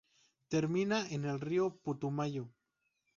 Termina en el río Putumayo.